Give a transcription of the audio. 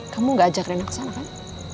kamu gak ajak reno ke sana kan